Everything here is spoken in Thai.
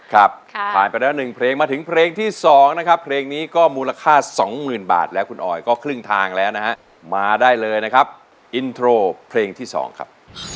ครับผ่านไปแล้ว๑เพลงมาถึงเพลงที่๒นะครับเพลงนี้ก็มูลค่าสองหมื่นบาทแล้วคุณออยก็ครึ่งทางแล้วนะฮะมาได้เลยนะครับอินโทรเพลงที่๒ครับ